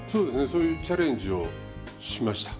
そういうチャレンジをしました。